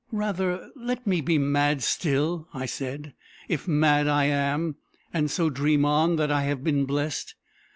"Rather let me be mad still," I said, "if mad I am; and so dream on that I have been blessed.